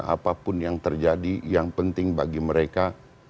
apapun yang terjadi yang penting bagi mereka